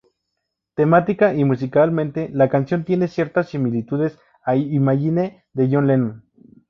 Temática y musicalmente la canción tiene ciertas similitudes a "Imagine" de John Lennon.